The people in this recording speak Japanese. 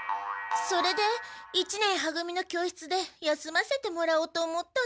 それで一年は組の教室で休ませてもらおうと思ったんだけど。